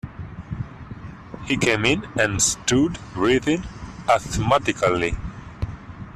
He came in and stood breathing asthmatically.